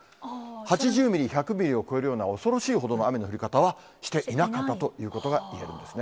８０ミリ、１００ミリを超えるような、恐ろしいほどの雨の降り方はしていなかったということが言えるんですね。